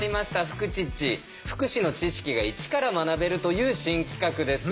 福祉の知識がイチから学べるという新企画です。